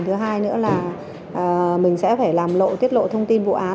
thứ hai nữa là mình sẽ phải làm lộ tiết lộ thông tin vụ án